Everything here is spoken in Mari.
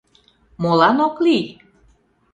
Молан ок лий?